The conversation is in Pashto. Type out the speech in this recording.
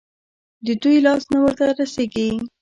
د دوى لاس نه ورته رسېږي.